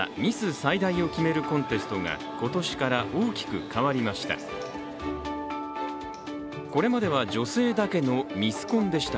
埼大を決めるコンテストが今年から大きく変わりました。